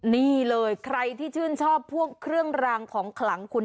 นี่เลยใครที่ชื่นชอบพวกเครื่องรางของขลังคุณ